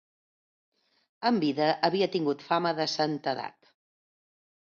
En vida havia tingut fama de santedat.